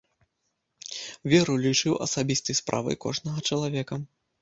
Веру лічыў асабістай справай кожнага чалавека.